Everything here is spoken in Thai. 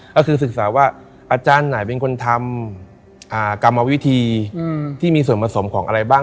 ก็คือศึกษาว่าอาจารย์ไหนเป็นคนทำกรรมวิธีที่มีส่วนผสมของอะไรบ้าง